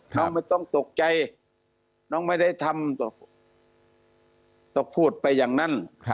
ไม่ต้องตกใจน้องไม่ได้ทำต้องพูดไปอย่างนั้น